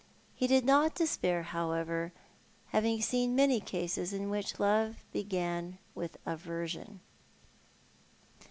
He did not despair, however, having seen many cases in which love began with aversion.